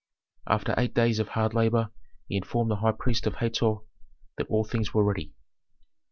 After eight days of hard labor he informed the high priest of Hator that all things were ready.